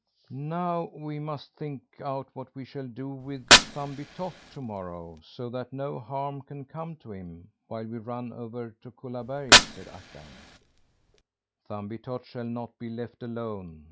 "Now we must think out what we shall do with Thumbietot to morrow so that no harm can come to him, while we run over to Kullaberg," said Akka. "Thumbietot shall not be left alone!"